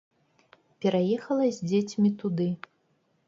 Пераехала з дзецьмі туды.